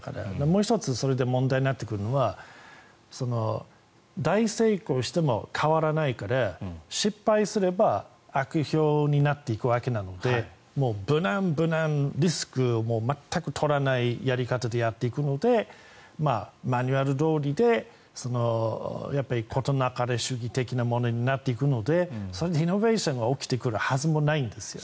もう１つそれで問題になってくるのは大成功しても変わらないから失敗すれば悪評になっていくわけなのでもう無難、無難リスクを全く取らないやり方でやっていくのでマニュアルどおりで事なかれ主義的なものになっていくのでそれでイノベーションが起きてくるはずもないんですよ。